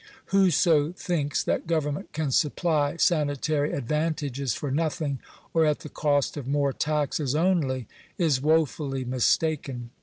Whoso thinks that government can supply sanitary advantages for nothing, or at the cost of more taxes only, is woefully mistaken.